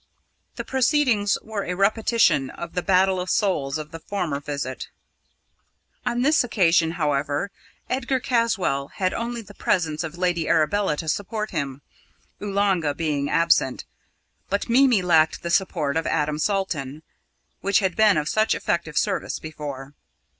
The proceedings were a repetition of the battle of souls of the former visit. On this occasion, however, Edgar Caswall had only the presence of Lady Arabella to support him Oolanga being absent; but Mimi lacked the support of Adam Salton, which had been of such effective service before.